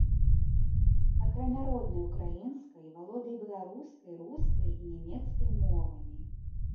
Акрамя роднай украінскай, валодае беларускай, рускай і нямецкай мовамі.